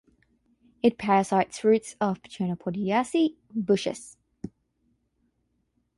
It parasites roots of Chenopodiaceae bushes.